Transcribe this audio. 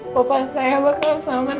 bapak bapak saya bakal selamat ya